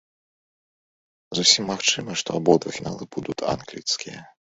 Зусім магчыма, што абодва фіналы будуць англійскія.